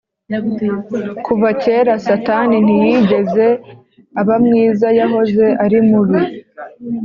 Kuva kera satani ntiyigeze abamwiza yahoze ari mubi